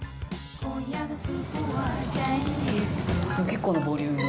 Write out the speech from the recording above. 結構なボリューム。